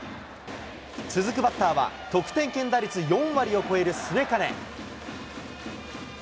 続くバッターは、得点圏打率４割を超える末包。